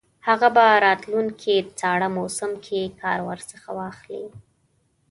هغه په راتلونکي ساړه موسم کې کار ورڅخه واخلي.